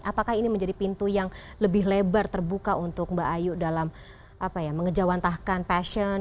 apakah ini menjadi pintu yang lebih lebar terbuka untuk mbak ayu dalam mengejawantahkan passion